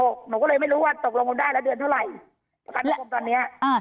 หนูก็เลยไม่รู้ว่าตกลงได้แล้วเดือนเท่าไหร่ประกันสังคมตอนเนี้ยอ่า